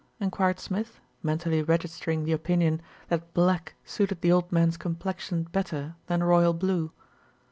enquired Smith, mentally register ing the opinion that black suited the old man's com plexion better than royal blue.